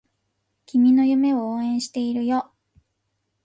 君の夢を応援しているよ